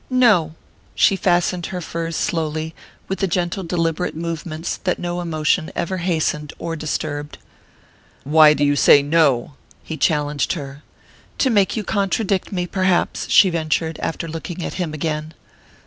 "No." She fastened her furs slowly, with the gentle deliberate movements that no emotion ever hastened or disturbed. "Why do you say no?" he challenged her. "To make you contradict me, perhaps," she ventured, after looking at him again.